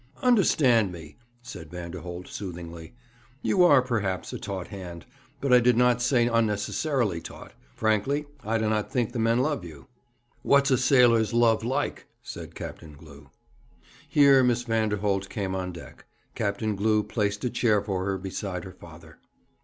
'Understand me,' said Vanderholt soothingly: 'you are, perhaps, a taut hand, but I do not say unnecessarily taut. Frankly, I do not think the men love you.' 'What's a sailor's love like?' said Captain Glew. Here Miss Vanderholt came on deck. Captain Glew placed a chair for her beside her father.